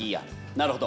なるほど。